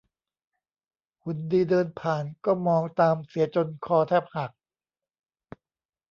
หุ่นดีเดินผ่านก็มองตามเสียจนคอแทบหัก